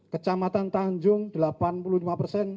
kecamatan tanjung delapan puluh lima persen